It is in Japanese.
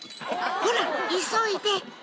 ほら急いで！